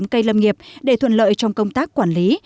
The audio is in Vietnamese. cây lâm nghiệp để thuận lợi trong công tác quản lý